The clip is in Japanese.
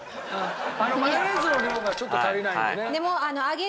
マヨネーズの量がちょっと足りないのでね。